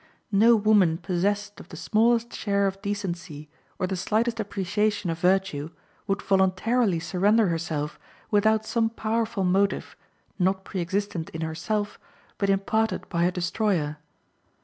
No woman possessed of the smallest share of decency or the slightest appreciation of virtue would voluntarily surrender herself without some powerful motive, not pre existent in herself, but imparted by her destroyer.